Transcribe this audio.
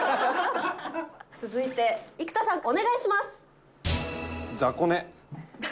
続いて生田さん、お願いします。